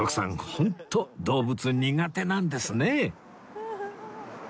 ホント動物苦手なんですね